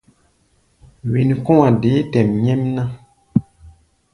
Wen kɔ̧́-a̧ deé tɛʼm nyɛ́mná.